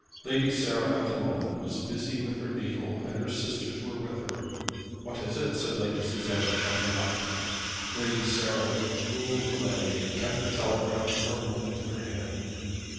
Lady Sarah, at the moment, was busy with her needle, and her sisters were with her. "What is it?" said Lady Susanna, jumping up. Lady Sarah, with cruel delay, kept the telegram for a moment in her hand.